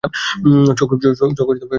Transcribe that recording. চোখ লালচে বাদামি।